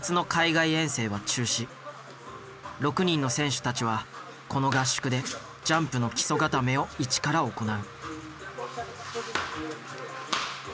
６人の選手たちはこの合宿でジャンプの基礎固めを一から行う。